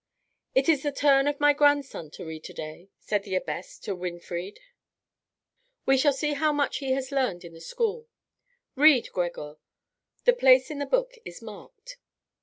"It is the turn of my grandson to read to day," said the abbess to Winfried; "we shall see how much he has learned in the school. Read, Gregor; the place in the book is marked."